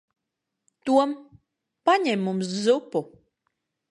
Tom. Paņem mums zupu.